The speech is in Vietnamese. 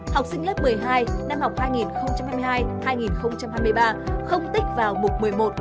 học sinh lớp một mươi hai năm học hai nghìn hai mươi hai hai nghìn hai mươi ba không tích vào mục một mươi một